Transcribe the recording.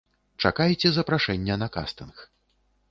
Чакайце запрашэння на кастынг!